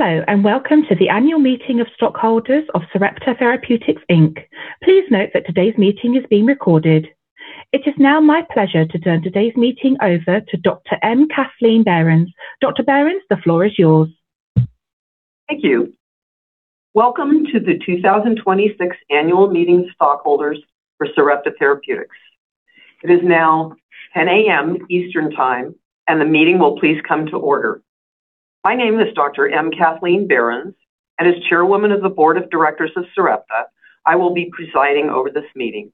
Hello, and welcome to the Annual Meeting of Stockholders of Sarepta Therapeutics, Inc. Please note that today's meeting is being recorded. It is now my pleasure to turn today's meeting over to Dr. M. Kathleen Behrens. Dr. Behrens, the floor is yours. Thank you. Welcome to the 2026 Annual Meeting of Stockholders for Sarepta Therapeutics. It is now 10:00 A.M. Eastern Time, and the meeting will please come to order. My name is Dr. M. Kathleen Behrens, and as Chairwoman Board of Directors of Sarepta, I will be presiding over this meeting.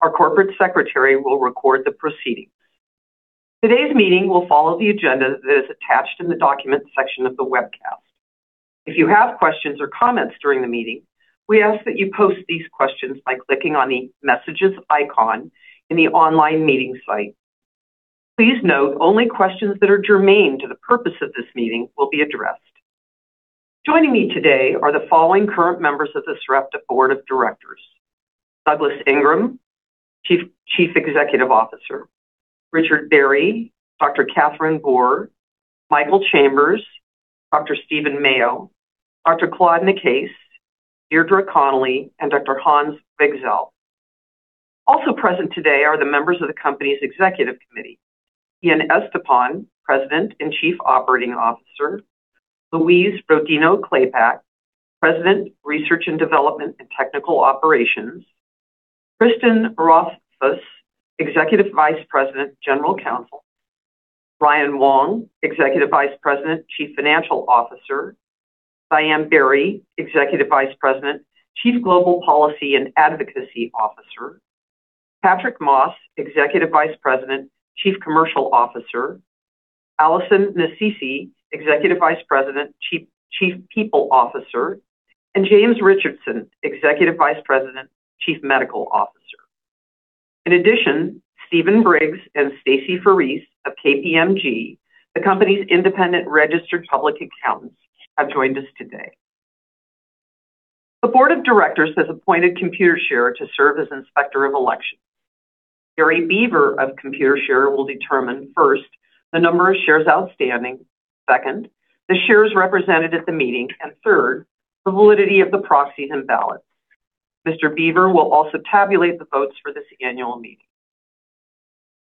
Our Corporate Secretary will record the proceedings. Today's meeting will follow the agenda that is attached in the Documents section of the webcast. If you have questions or comments during the meeting, we ask that you post these questions by clicking on the Messages icon in the online meeting site. Please note, only questions that are germane to the purpose of this meeting will be addressed. Joining me today are the following current members of the Sarepta Board of Directors: Douglas Ingram, Chief Executive Officer, Richard Barry, Dr. Kathryn Boor, Michael Chambers, Dr. Stephen Mayo, Dr. Claude Nicaise, Deirdre Connelly, and Dr. Hans Wigzell. Also present today are the members of the company's executive committee: Ian Estepan, President and Chief Operating Officer, Louise Rodino-Klapac, President, Research and Development and Technical Operations, Cristin Rothfuss, Executive Vice President, General Counsel, Ryan Wong, Executive Vice President, Chief Financial Officer, Diane Berry, Executive Vice President, Chief Global Policy and Advocacy Officer, Patrick Moss, Executive Vice President, Chief Commercial Officer, Alison Nasisi, Executive Vice President, Chief People Officer, and James Richardson, Executive Vice President, Chief Medical Officer. In addition, Stephen Briggs and Stacy Farese of KPMG, the company's independent registered public accountants, have joined us Board of Directors has appointed Computershare to serve as Inspector of Election. Gary Biever of Computershare will determine, first, the number of shares outstanding, second, the shares represented at the meeting, and third, the validity of the proxies and ballots. Mr. Biever will also tabulate the votes for this annual meeting.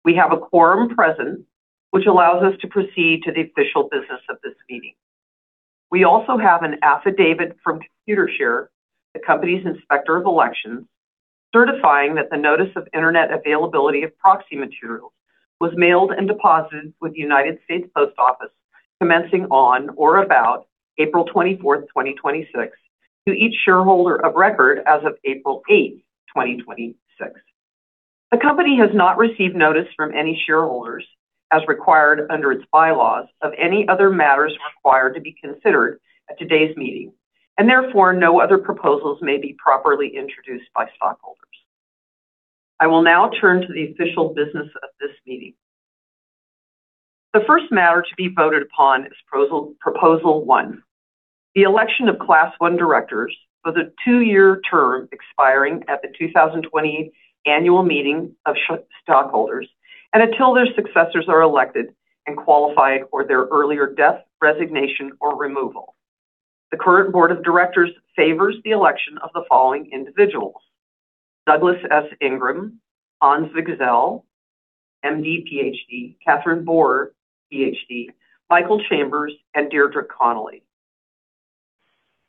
We have a quorum present, which allows us to proceed to the official business of this meeting. We also have an affidavit from Computershare, the company's Inspector of Elections, certifying that the notice of Internet availability of proxy materials was mailed and deposited with the United States Post Office commencing on or about April 24th, 2026, to each shareholder of record as of April 8th, 2026. The company has not received notice from any shareholders, as required under its bylaws, of any other matters required to be considered at today's meeting, and therefore, no other proposals may be properly introduced by stockholders. I will now turn to the official business of this meeting. The first matter to be voted upon is Proposal One, the election of Class I directors for the two-year term expiring at the 2028 Annual Meeting of Stockholders and until their successors are elected and qualified for their earlier death, resignation, or removal. Board of Directors favors the election of the following individuals: Douglas S. Ingram, Hans Wigzell, MD, PhD, Kathryn Boor, PhD, Michael Chambers, and Deirdre Connelly.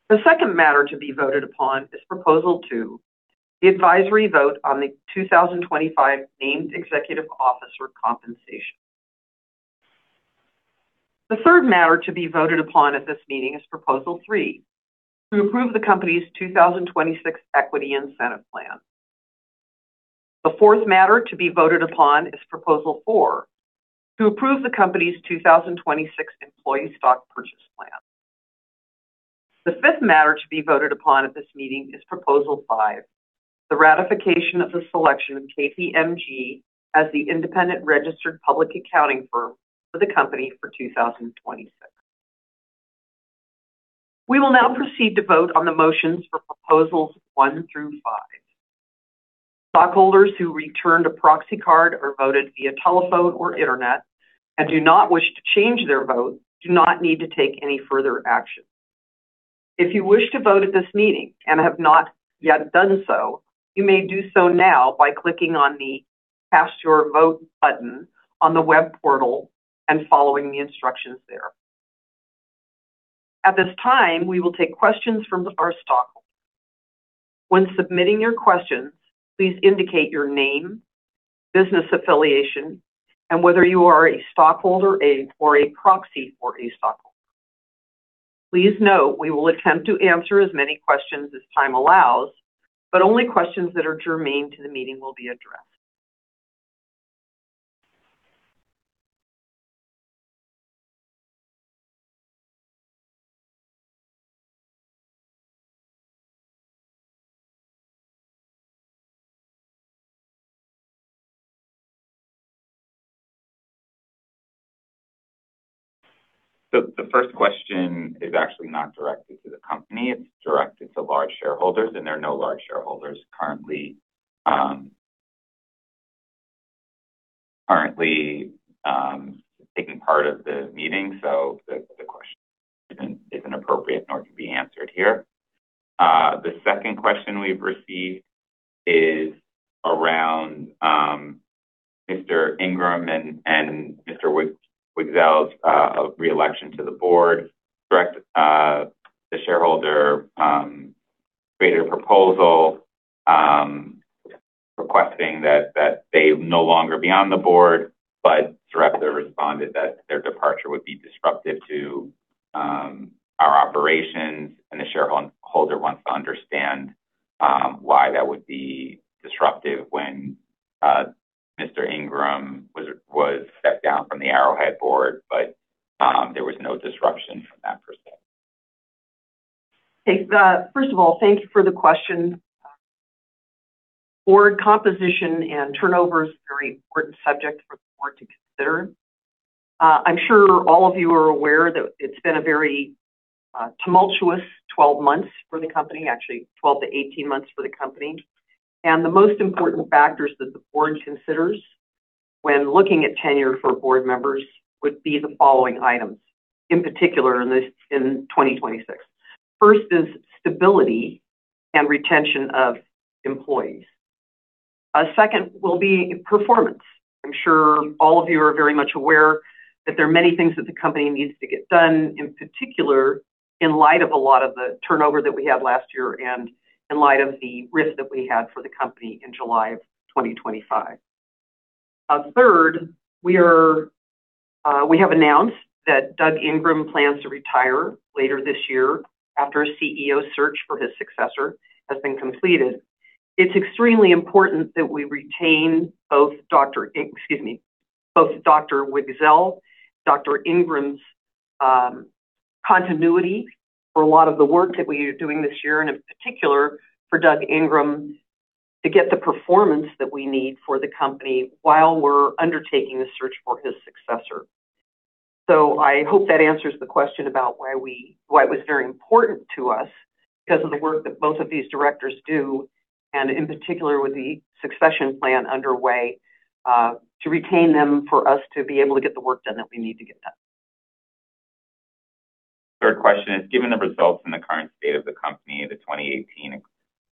The second matter to be voted upon is Proposal Two, the advisory vote on the 2025 named executive officer compensation. The third matter to be voted upon at this meeting is Proposal Three, to approve the company's 2026 equity incentive plan. The fourth matter to be voted upon is Proposal Four, to approve the company's 2026 employee stock purchase plan. The fifth matter to be voted upon at this meeting is Proposal Five, the ratification of the selection of KPMG as the independent registered public accounting firm for the company for 2026. We will now proceed to vote on the motions for Proposals One through Five. Stockholders who returned a proxy card or voted via telephone or Internet and do not wish to change their vote do not need to take any further action. If you wish to vote at this meeting and have not yet done so, you may do so now by clicking on the Cast Your Vote button on the web portal and following the instructions there. At this time, we will take questions from our stockholders. When submitting your questions, please indicate your name, business affiliation, and whether you are a stockholder or a proxy for a stockholder. Please note we will attempt to answer as many questions as time allows, but only questions that are germane to the meeting will be addressed. The first question is actually not directed to the company. It's directed to large shareholders, and there are no large shareholders currently taking part of the meeting, so the question isn't appropriate nor can be answered here. The second question we've received is around Mr. Ingram and Mr. Wigzell's re-election to the Board. The shareholder created a proposal requesting that they no longer be on the Board, but Sarepta responded that their departure would be disruptive to our operations, and the shareholder wants to understand why that would be disruptive when Mr. Ingram was stepped down from the Arrowhead Board, but there was no disruption from that perspective. First of all, thank you for the question. Board composition and turnover is a very important subject for the Board to consider. I'm sure all of you are aware that it's been a very tumultuous 12 months for the company, actually 12 to 18 months for the company. The most important factors that the board considers when looking at tenure for board members would be the following items, in particular, in 2026. First is stability and retention of employees. Second will be performance. I'm sure all of you are very much aware that there are many things that the company needs to get done, in particular, in light of a lot of the turnover that we had last year and in light of the risk that we had for the company in July of 2025. Third, we have announced that Doug Ingram plans to retire later this year after a CEO search for his successor has been completed. It's extremely important that we retain both Dr. Wigzell, Dr. Ingram's continuity for a lot of the work that we are doing this year, and in particular, for Doug Ingram to get the performance that we need for the company while we're undertaking the search for his successor. I hope that answers the question about why it was very important to us, because of the work that both of these directors do, and in particular with the succession plan underway, to retain them for us to be able to get the work done that we need to get done. Third question is, given the results and the current state of the company, the 2018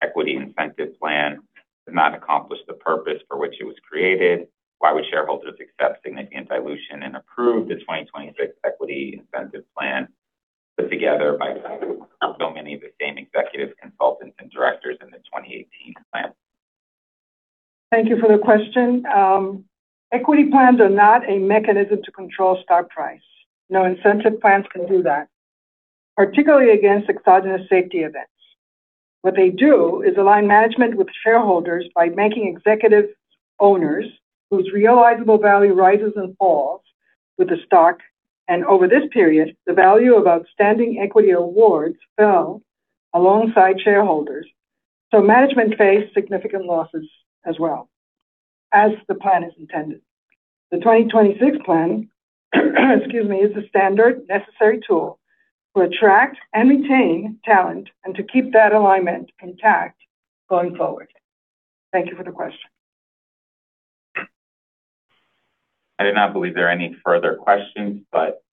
equity incentive plan did not accomplish the purpose for which it was created. Why would shareholders accept significant dilution and approve the 2026 equity incentive plan put together by so many of the same executive consultants and directors in the 2018 plan? Thank you for the question. Equity plans are not a mechanism to control stock price. No incentive plans can do that, particularly against exogenous safety events. What they do is align management with shareholders by making executive owners whose realizable value rises and falls with the stock, and over this period, the value of outstanding equity awards fell alongside shareholders. Management faced significant losses as well, as the plan is intended. The 2026 plan is a standard necessary tool to attract and retain talent and to keep that alignment intact going forward. Thank you for the question. I do not believe there are any further questions. We'll wait if there's any questions that come up in the next couple of minutes.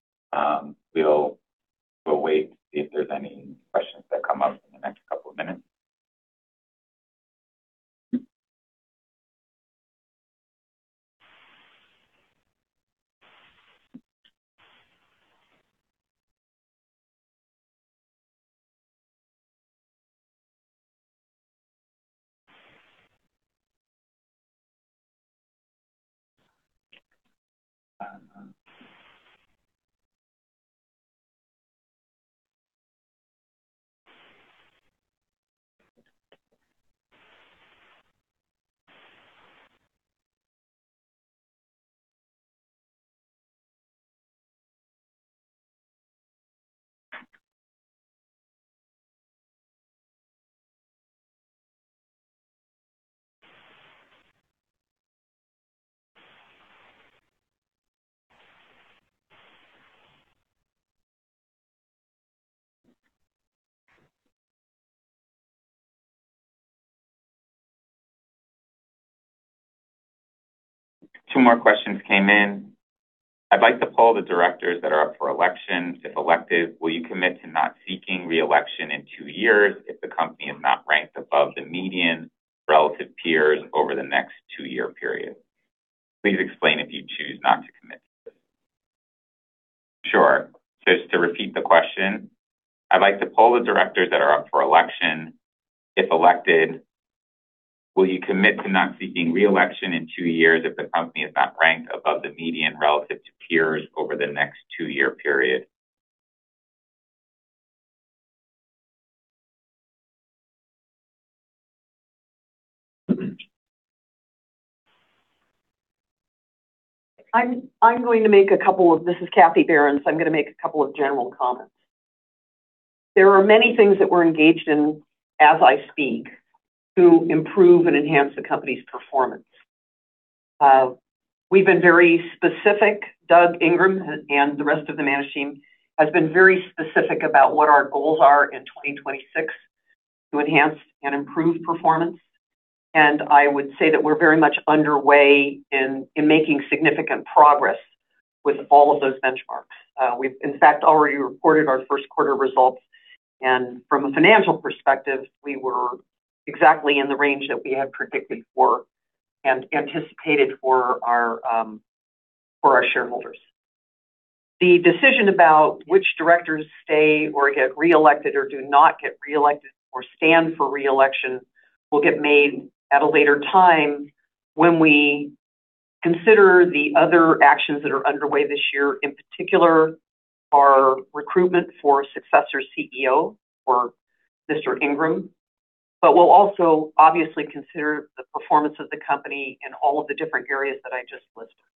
Two more questions came in. I'd like to poll the directors that are up for election. If elected, will you commit to not seeking re-election in two years if the company is not ranked above the median relative to peers over the next two-year period? Please explain if you choose not to commit to this. Sure. Just to repeat the question. I'd like to poll the directors that are up for election. If elected, will you commit to not seeking re-election in two years if the company is not ranked above the median relative to peers over the next two-year period? This is Kathy Behrens. I'm going to make a couple of general comments. There are many things that we're engaged in as I speak to improve and enhance the company's performance. We've been very specific. Doug Ingram and the rest of the management team has been very specific about what our goals are in 2026 to enhance and improve performance. I would say that we're very much underway in making significant progress with all of those benchmarks. We've, in fact, already reported our first quarter results, and from a financial perspective, we were exactly in the range that we had predicted for and anticipated for our shareholders. The decision about which directors stay or get reelected or do not get reelected or stand for re-election will get made at a later time when we consider the other actions that are underway this year. In particular, our recruitment for successor CEO for Mr. Ingram. We'll also obviously consider the performance of the company in all of the different areas that I just listed.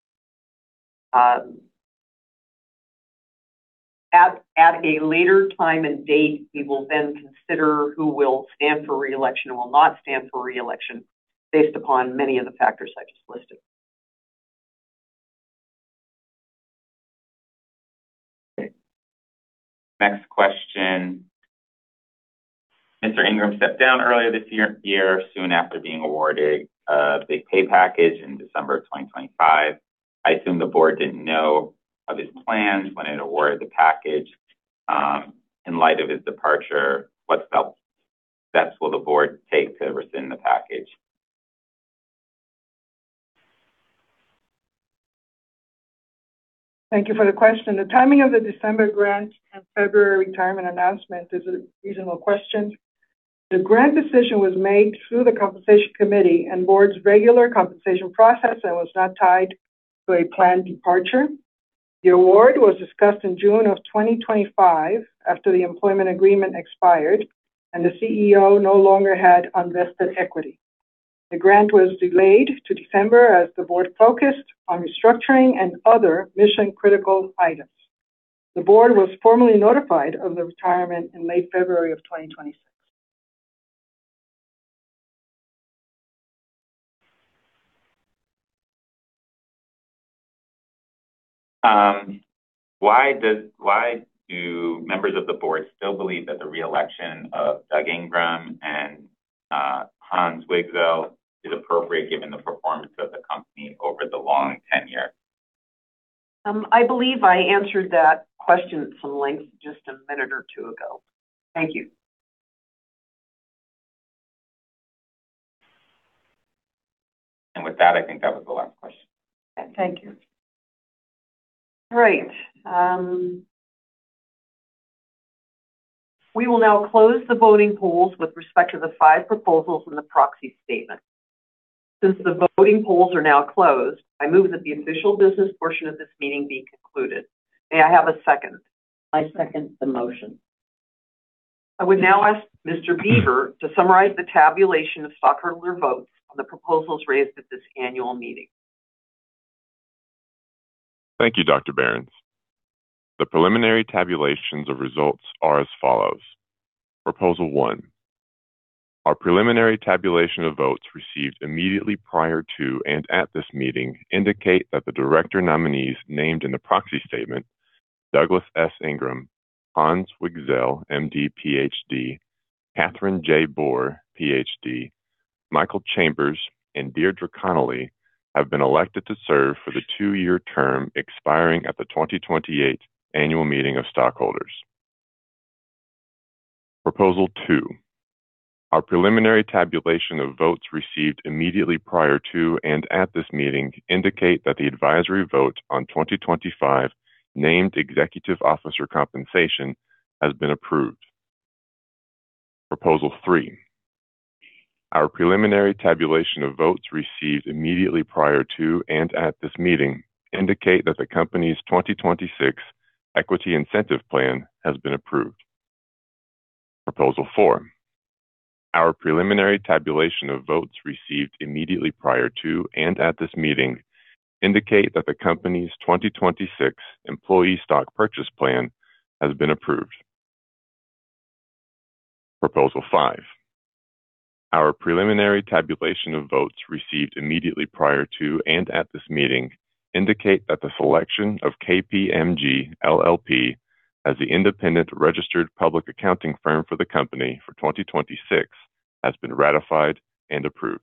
At a later time and date, we will then consider who will stand for re-election and will not stand for re-election based upon many of the factors I just listed. Okay. Next question. Mr. Ingram stepped down earlier this year, soon after being awarded a big pay package in December of 2025. I assume the Board didn't know of his plans when it awarded the package. In light of his departure, what steps will the board take to rescind the package? Thank you for the question. The timing of the December grant and February retirement announcement is a reasonable question. The grant decision was made through the Compensation Committee and board's regular compensation process and was not tied to a planned departure. The award was discussed in June of 2025 after the employment agreement expired and the CEO no longer had unvested equity. The grant was delayed to December as the board focused on restructuring and other mission-critical items. The board was formally notified of the retirement in late February of 2026. Why do members of the Board still believe that the reelection of Doug Ingram and Hans Wigzell is appropriate given the performance of the company over the long tenure? I believe I answered that question at some length just a minute or two ago. Thank you. With that, I think that was the last question. Thank you. Great. We will now close the voting polls with respect to the five proposals in the proxy statement. Since the voting polls are now closed, I move that the official business portion of this meeting be concluded. May I have a second? I second the motion. I would now ask Mr. Biever to summarize the tabulation of stockholder votes on the proposals raised at this Annual Meeting. Thank you, Dr. Behrens. The preliminary tabulations of results are as follows. Proposal One, our preliminary tabulation of votes received immediately prior to and at this meeting indicate that the director nominees named in the proxy statement, Douglas S. Ingram, Hans Wigzell, M.D., Ph.D., Kathryn J. Boor, Ph.D., Michael Chambers, and Deirdre Connelly, have been elected to serve for the two-year term expiring at the 2028 Annual Meeting of Stockholders. Proposal Two, our preliminary tabulation of votes received immediately prior to and at this meeting indicate that the advisory vote on 2025 named executive officer compensation has been approved. Proposal Three, our preliminary tabulation of votes received immediately prior to and at this meeting indicate that the company's 2026 equity incentive plan has been approved. Proposal Four, our preliminary tabulation of votes received immediately prior to and at this meeting indicate that the company's 2026 employee stock purchase plan has been approved. Proposal Five, our preliminary tabulation of votes received immediately prior to and at this meeting indicate that the selection of KPMG LLP as the independent registered public accounting firm for the company for 2026 has been ratified and approved.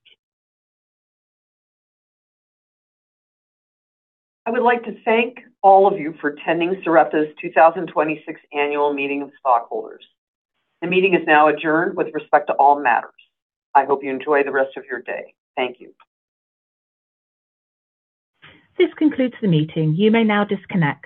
I would like to thank all of you for attending Sarepta's 2026 Annual Meeting of Stockholders. The meeting is now adjourned with respect to all matters. I hope you enjoy the rest of your day. Thank you. This concludes the meeting. You may now disconnect.